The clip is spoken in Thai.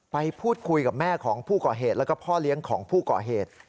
ไปพูดคุยกับแม่ของผู้ก่อเหตุแล้วก็พ่อเลี้ยงของผู้ก่อเหตุ